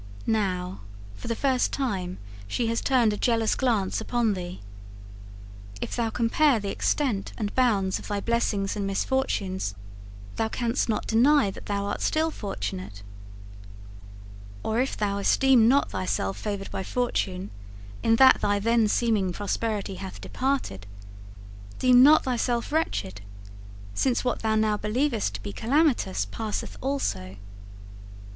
Now for the first time she has turned a jealous glance upon thee. If thou compare the extent and bounds of thy blessings and misfortunes, thou canst not deny that thou art still fortunate. Or if thou esteem not thyself favoured by Fortune in that thy then seeming prosperity hath departed, deem not thyself wretched, since what thou now believest to be calamitous passeth also.